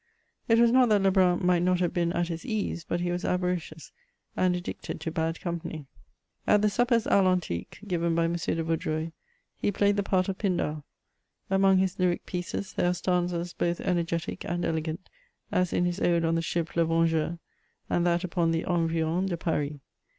It was not that Lebrun might not have been at his ease, but he was avaricious, and addicted to bad company. At the suppers d, r antique given by M. de Vaudreuil, he played the part of Pindar. Among his lyric pieces there are stanzas both energetic and elegant, as in his ode on the ship le VengeuVy and that upon the Environs de Paris.